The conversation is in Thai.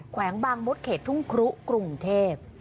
แวงบางมดเขตทุ่งครุกรุงเทพ